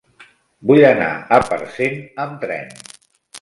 Vull anar a Parcent amb tren.